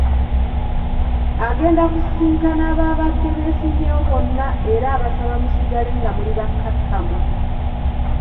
Agenda kusisinkana abaabadde beesimbyewo bonna era abasaba musigale nga muli bakkakkamu.